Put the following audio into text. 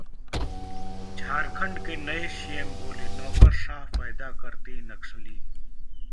झारखंड के नए सीएम बोले, नौकरशाह पैदा करते नक्सली